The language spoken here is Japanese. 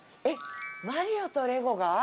えっマリオとレゴが？